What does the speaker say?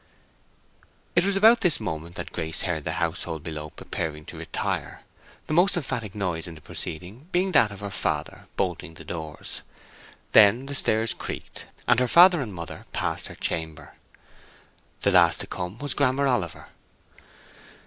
It was about this moment that Grace heard the household below preparing to retire, the most emphatic noise in the proceeding being that of her father bolting the doors. Then the stairs creaked, and her father and mother passed her chamber. The last to come was Grammer Oliver.